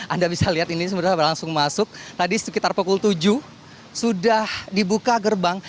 anda bisa lihat ini sebenarnya langsung masuk tadi sekitar pukul tujuh sudah dibuka gerbang